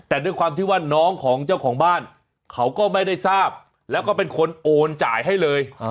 แต่ด้วยความที่ว่าน้องของเจ้าของบ้านเขาก็ไม่ได้ทราบแล้วก็เป็นคนโอนจ่ายให้เลย